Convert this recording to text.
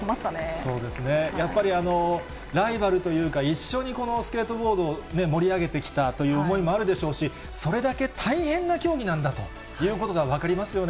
そうですね、やっぱりライバルというか、一緒にこのスケートボードね、盛り上げてきたという思いもあるでしょうし、それだけ大変な競技なんだということが分かりますよね。